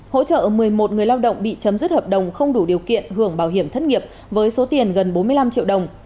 hỗ trợ một mươi một người lao động bị chấm dứt hợp đồng không đủ điều kiện hưởng bảo hiểm thất nghiệp với số tiền gần bốn mươi năm triệu đồng